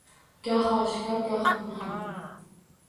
Gohi oshkor, goh pinhon